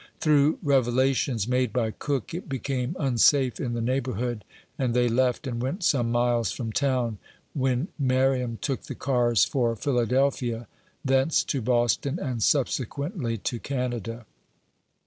Through revelations made by Cook, it became unsafe in the neighborhood, and they left, and went some miles frpm town, when Merriam took the cars for Philadelphia ; thence to Boston, and subsequently to Canada.